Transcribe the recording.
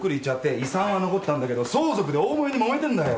遺産は残ったんだけど相続で大もめにもめてんだよ。